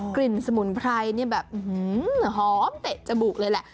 กลิ่นสมุนไพรแบบหอมเตะจบูกเลยแหละ